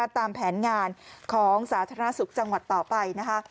ตามแผนงานของสาธารณสุขจังหวัดต่อไปนะคะ